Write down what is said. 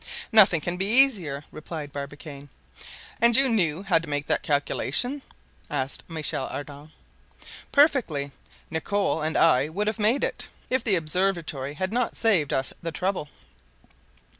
"Nothing can be easier," replied Barbicane. "And you knew how to make that calculation?" asked Michel Ardan. "Perfectly. Nicholl and I would have made it, if the observatory had not saved us the trouble."